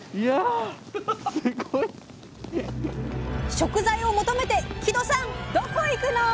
食材を求めて木戸さんどこ行くの？